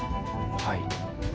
はい。